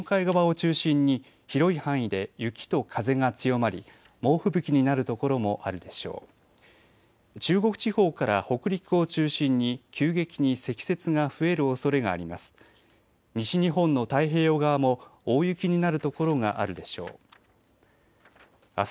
中国地方から北陸を中心に急激に積雪が増えるおそれがあります。